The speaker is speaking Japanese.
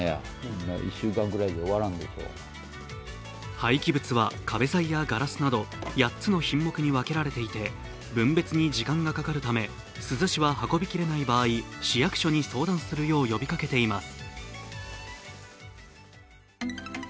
廃棄物は壁材やガラスなど８つの品目に分けられていて分別に時間がかかるため、珠洲市は運びきれない場合、市役所に相談するよう呼びかけています。